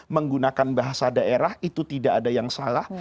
menggunakan bahasa daerah itu tidak ada yang salah